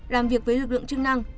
làm việc với lực lượng chức năng